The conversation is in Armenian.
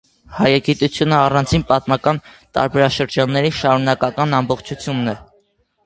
Հայագիտությունը առանձին պատմական պարբերաշրջանների շարունակական ամբողջություն է։